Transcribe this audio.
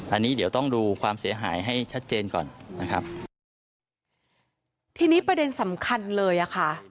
อันนี้เดี๋ยวต้องดูความเสียหายให้ชัดเจนก่อนนะครับทีนี้ประเด็นสำคัญเลยอ่ะค่ะ